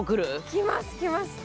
来ます、来ます。